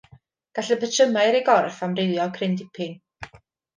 Gall y patrymau ar ei gorff amrywio cryn dipyn.